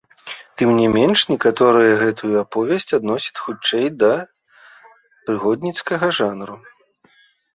Тым не менш некаторыя гэтую аповесць адносяць хутчэй да прыгодніцкага жанру.